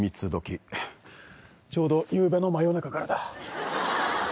ちょうどゆうべの真夜中からだ。